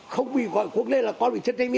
không bị gọi quốc lê là con bị chết tay miệng